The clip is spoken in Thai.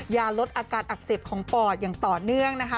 ยาลดอาการอักเสบของปอดอย่างต่อเนื่องนะคะ